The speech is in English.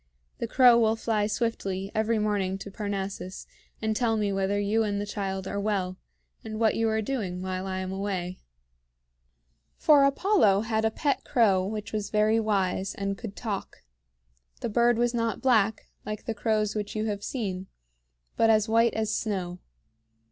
"The crow will fly swiftly every morning to Parnassus, and tell me whether you and the child are well, and what you are doing while I am away." For Apollo had a pet crow which was very wise, and could talk. The bird was not black, like the crows which you have seen, but as white as snow.